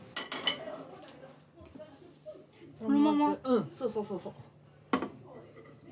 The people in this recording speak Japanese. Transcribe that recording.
うんそうそうそうそう。